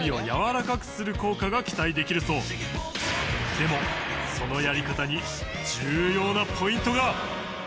でもそのやり方に重要なポイントが。